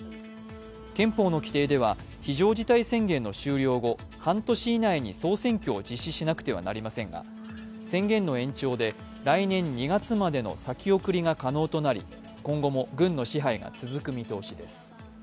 憲法の規定では、非常事態宣言の終了後半年以内の総選挙を実施しなくてはなりませんが宣言の延長で、来年２月までの先送りが可能となり、今後も軍の支配が続く見通しです。